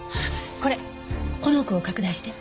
この奥を拡大して。